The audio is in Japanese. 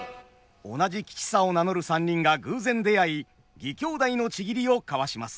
同じ吉三を名乗る三人が偶然出会い義兄弟の契りを交わします。